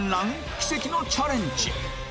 奇跡のチャレンジ